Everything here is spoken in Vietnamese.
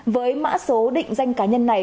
với mã số định danh cá nhân này